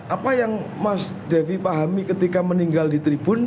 apa yang mas devi pahami ketika meninggal di tribun